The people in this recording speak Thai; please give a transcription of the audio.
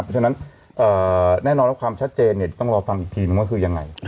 เพราะฉะนั้นแน่นอนว่าความชัดเจนต้องรอฟังอีกทีนึงว่าคือยังไง